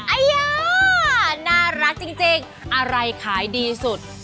อัยยยยยยยยยน่ารักจริงอะไรขายดีสุด